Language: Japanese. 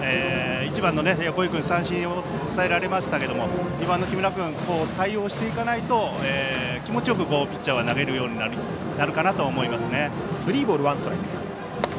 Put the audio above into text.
１番の横井君は三振に抑えられましたが木村君、対応していかないと気持ちよくピッチャーは投げるようになるかなと思いますね。